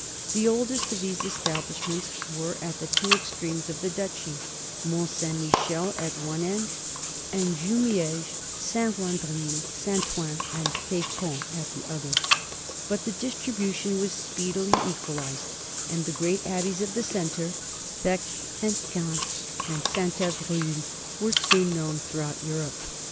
The oldest of these establishments were at the two extremes of the duchy, Mont Saint Michel at one end and Jumieges, Saint Wandrille, Saint Ouen and F6camp at the other; but the distribution was speedily equalized, and the great abbeys of the centre, Bee and Caen and Saint Evroul, were soon known throughout Europe.